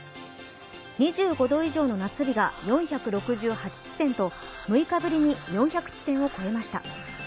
２５度以上の夏日が４６８地点と６日ぶりに４００地点を超えました。